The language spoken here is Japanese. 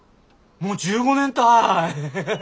もう１５年たい！